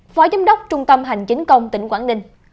phó giám đốc trung tâm hành chính công tỉnh quảng ninh